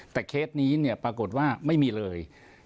แต่เคสนี้เนี่ยปรากฏว่าไม่มีเลย